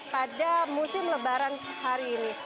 pada musim lebaran hari ini